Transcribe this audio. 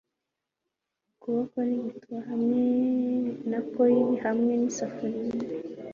ukuboko nigituba hamwe na coil hamwe nisafuriya